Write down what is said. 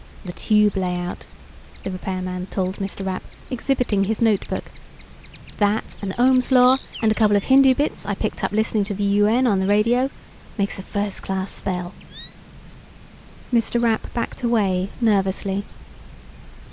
"The tube layout," the repairman told Mr. Rapp, exhibiting his notebook. "That, and Ohm's Law, and a couple of Hindu bits I picked up listening to the UN on the radio ... makes a first class spell." Mr. Rapp backed away, nervously.